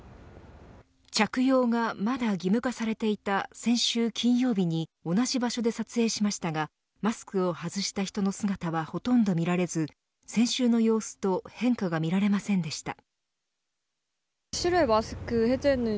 着用がまだ義務化されていた先週金曜日に同じ場所で撮影しましたがマスクを外した人の姿はほとんど見られず先週の様子と変化は見られませんでした。